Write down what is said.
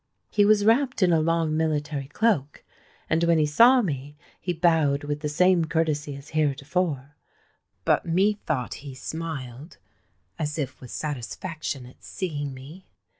He was wrapped in a long military cloak; and when he saw me, he bowed with the same courtesy as heretofore;—but methought he smiled, as if with satisfaction at seeing me.